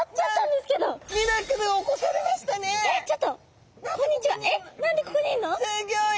すギョい！